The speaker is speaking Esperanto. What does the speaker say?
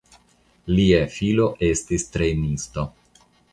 Lia filo estis trejnisto.